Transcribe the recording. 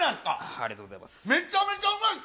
ありがとうございます。